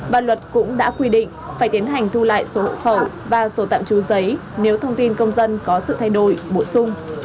và luật cũng đã quy định phải tiến hành thu lại số hộ khẩu và số tạm trú giấy nếu thông tin công dân có sự thay đổi bổ sung